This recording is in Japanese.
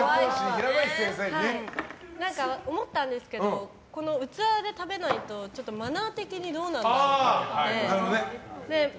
思ったんですけど器で食べないとマナー的にどうなんだろうと思って。